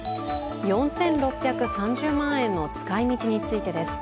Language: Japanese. ４６３０万円の使いみちについてです。